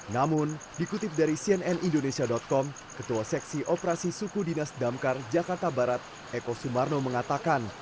namun dikutip dari cnn indonesia com ketua seksi operasi suku dinas damkar jakarta barat eko sumarno mengatakan